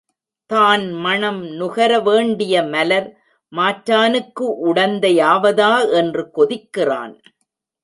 தான் மணம் நுகர வேண்டிய மலர் மாற்றானுக்கு உடந்தையாவதா என்று கொதிக்கிறான்.